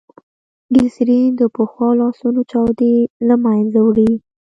ګلیسرین دپښو او لاسو چاودي له منځه وړي.